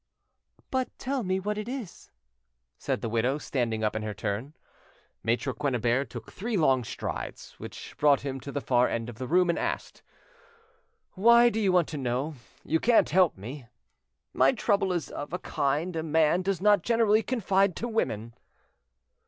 "But tell me what it is," said the widow, standing up in her turn. Maitre Quennebert took three long strides, which brought him to the far end of the room, and asked— "Why do you want to know? You can't help me. My trouble is of a kind a man does not generally confide to women."